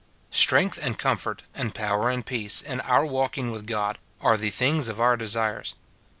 Strength and comfort, and power and peace, in our walking with God, are the things of our desires.